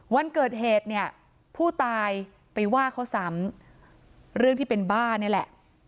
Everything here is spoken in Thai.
วันเกิดเหตุเนี่ยผู้ตายไปว่าเขาซ้ำเรื่องที่เป็นบ้านี่แหละ